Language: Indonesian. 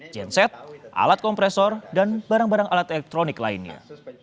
genset alat kompresor dan barang barang alat elektronik lainnya